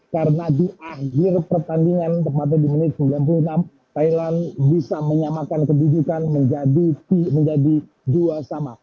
karena di akhir pertandingan maksudnya di menit sembilan puluh enam thailand bisa menyamakan kebijikan menjadi dua sama